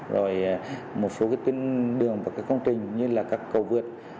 rồi một số cái tuyến đường và cái công trình như là các cầu vượt